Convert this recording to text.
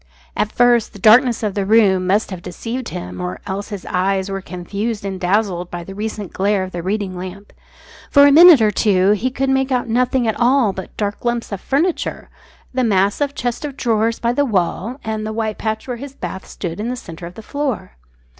At first the darkness of the room must have deceived him, or else his eyes were confused and dazzled by the recent glare of the reading lamp. For a minute or two he could make out nothing at all but dark lumps of furniture, the mass of the chest of drawers by the wall, and the white patch where his bath stood in the centre of the floor.